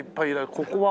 ここは。